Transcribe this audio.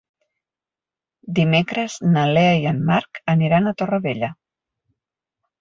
Dimecres na Lea i en Marc aniran a Torrevella.